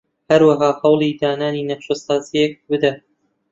هەروەها هەوڵی دانانی نەخشەسازییەک بدە